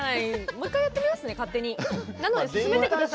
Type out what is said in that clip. もう１回やってみますね。